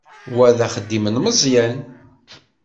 Wa d axeddim n Meẓyan.